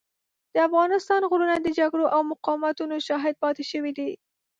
د افغانستان غرونه د جګړو او مقاومتونو شاهد پاتې شوي دي.